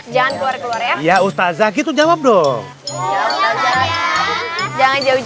jangan keluar keluar ya ustaz zaki itu jawab dong jangan jauh jauh awas hati hati ya